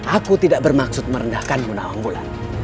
aku tidak bermaksud merendahkanmu nawang bulan